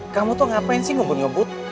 kamu tuh ngapain sih ngebut ngebut